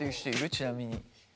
ちなみに。